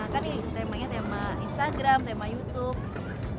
kan nih temanya tema instagram tema youtube